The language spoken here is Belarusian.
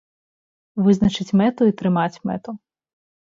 Вызначыць мэту і трымаць мэту.